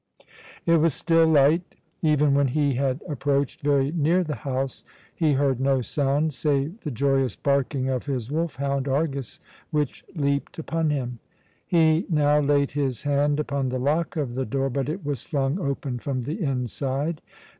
It was still light. Even when he had approached very near the house he heard no sound save the joyous barking of his wolf hound, Argus, which leaped upon him. He now laid his hand upon the lock of the door but it was flung open from the inside.